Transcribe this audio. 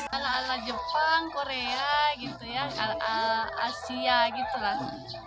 ala ala jepang korea gitu ya asia gitu lah